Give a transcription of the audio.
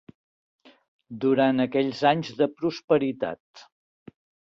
Durant aquells anys de prosperitat.